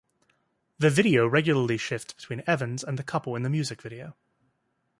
The video regularly shifts between Evans and the couple in the music video.